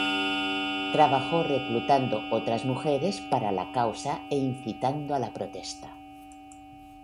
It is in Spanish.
Trabajó reclutando otras mujeres para la causa e incitando a la protesta.